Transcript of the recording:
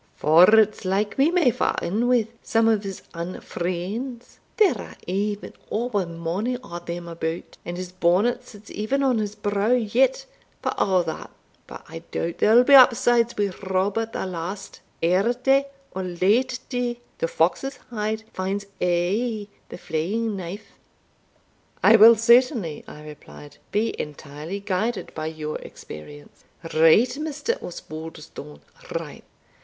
For it's like we may fa' in wi' some o' his unfreends there are e'en ower mony o' them about and his bonnet sits even on his brow yet for a' that; but I doubt they'll be upsides wi' Rob at the last air day or late day, the fox's hide finds aye the flaying knife." "I will certainly," I replied, "be entirely guided by your experience." "Right, Mr. Osbaldistone right.